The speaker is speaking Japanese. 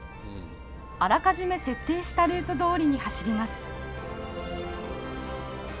あらかじめ設定したルートどおりに走ります。